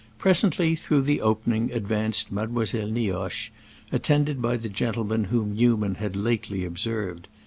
Presently, through the opening, advanced Mademoiselle Nioche, attended by the gentleman whom Newman had lately observed.